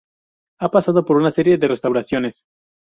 Ha pasado por una serie de restauraciones.